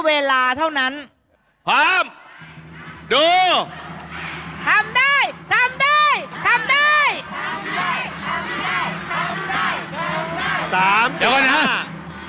เวลาดีเล่นหน่อยเล่นหน่อย